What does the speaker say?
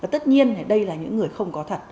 tất nhiên đây là những người không có thật